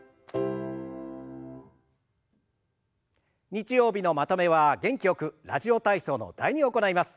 日曜日のまとめは元気よく「ラジオ体操」の「第２」を行います。